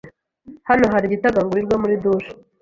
Hano hari igitagangurirwa muri douche.